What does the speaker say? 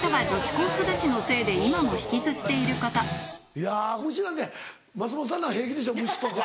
いや虫なんて松本さんなんか平気でしょ虫とか。